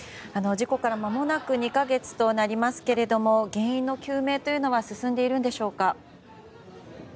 事故から、まもなく２か月となりますけれども原因の究明は進んでいるんでしょうか？